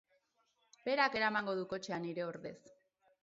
Berak eramango du kotxea nire ordez.